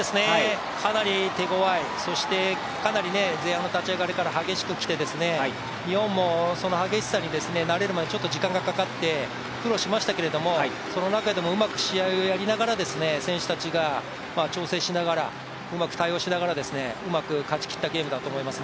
かなり手ごわい、そしてかなり前半、立ち上がりから激しくきて、日本もその激しさに慣れるまでちょっと時間がかかって苦労しましたけどもその中でもうまく試合をやりながら、選手たちが調整しながらうまく対応しながらうまく勝ちきったゲームだと思います。